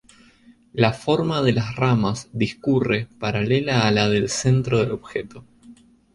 La forma de las ramas discurre paralela a la del centro del objeto.